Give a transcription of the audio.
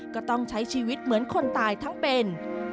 ก็ต้องใช้ชีวิตเหมือนคนตายทั้งเป็น